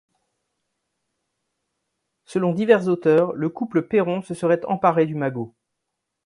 Selon divers auteurs, le couple Peron se serait emparé du magot.